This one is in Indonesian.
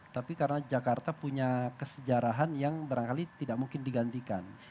tapi karena jakarta punya kesejarahan yang barangkali tidak mungkin digantikan